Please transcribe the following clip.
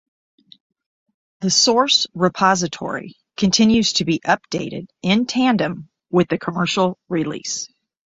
The source repository continues to be updated in tandem with the commercial release.